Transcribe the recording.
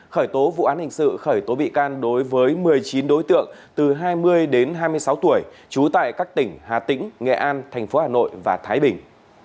khởi tố vụ án hình sự khởi tố bị can đối với một mươi chín đối tượng từ hai mươi đến hai mươi sáu tuổi trú tại các tỉnh hà tĩnh nghệ an thành phố hà nội và thái bình